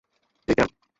হেই, ক্যাম।